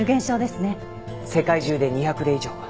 世界中で２００例以上は。